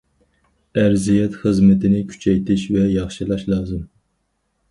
ئەرزىيەت خىزمىتىنى كۈچەيتىش ۋە ياخشىلاش لازىم.